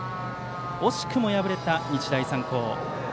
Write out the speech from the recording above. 惜しくも敗れた日大三高。